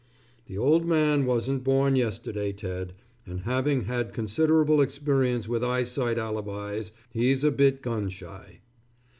The old man wasn't born yesterday, Ted, and having had considerable experience with eyesight alibis he's a bit gun shy.